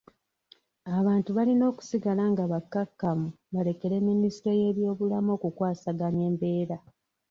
Abantu balina okusigala nga bakkakkamu balekera minisitule y'ebyobulamu okukwasaganya embeera.